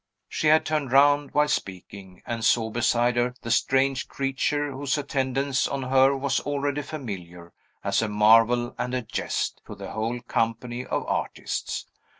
She had turned round, while speaking, and saw beside her the strange creature whose attendance on her was already familiar, as a marvel and a jest; to the whole company of artists.